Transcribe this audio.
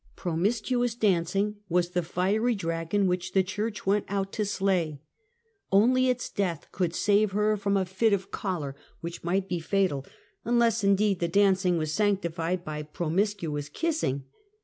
Promiscuous danc ing was the fiery dragon which the church went out to slay. Only its death could save her from a fit of choler which might be fatal, unless, indeed, the danc ing were sanctified by promiscuous kissing.